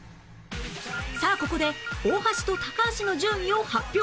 さあここで大橋と高橋の順位を発表